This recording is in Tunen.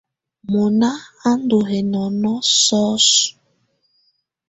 Mɔ́nà á ndɔ́ hɛ́nɔ́nɔ̀ sɔ́sɔ̀.